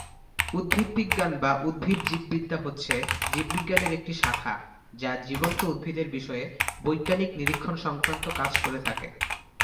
উদ্ভিদবিজ্ঞান বা উদ্ভিদ-জীববিদ্যা হচ্ছে জীববিজ্ঞানের একটি শাখা যা জীবন্ত উদ্ভিদের বিষয়ে বৈজ্ঞানিক নিরীক্ষণ সংক্রান্ত কাজ করে থাকে।